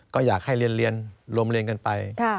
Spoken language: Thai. ก็อยากให้เรียนรวมเรียนกันไป